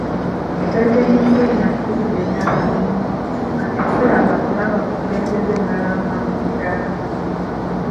Pulezidenti Museveni atufugidde emyaka mingi kati tetusuubira na kulaba mukulembeze mulala amangu ddala.